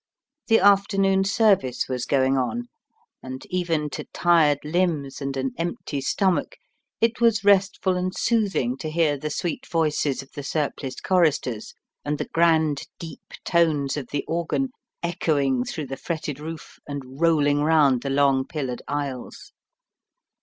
The afternoon service was going on, and even to tired limbs and an empty stomach it was restful and soothing to hear the sweet voices of the surpliced choristers, and the grand deep tones of the organ, echoing through the fretted roof, and rolling round the long pillared aisles.